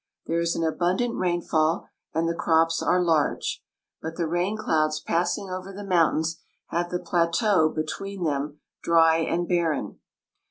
There is an abundant rainfall and the crops are large, but the rain clouds passing over the mountains leave the. pla teau between them dry and barren.